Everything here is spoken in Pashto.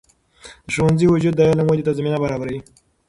د ښوونځي وجود د علم ودې ته زمینه برابروي.